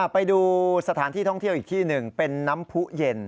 ไปดูสถานที่ท่องเที่ยวอีกที่หนึ่งเป็นน้ำผู้เย็น